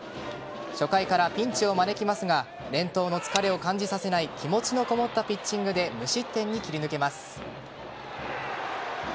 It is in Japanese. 初回からピンチを招きますが連投の疲れを感じさせない気持ちのこもったピッチングで無失点に切り抜けます。